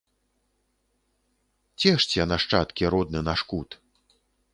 Цешце, нашчадкі, родны наш кут!